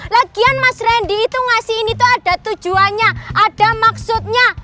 lagian mas randy itu ngasih ini tuh ada tujuannya ada maksudnya